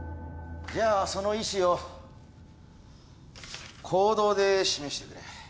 じゃあその意思を行動で示してくれ。